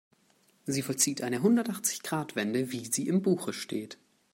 Sie vollzieht eine Hundertachzig-Grad-Wende, wie sie im Buche steht.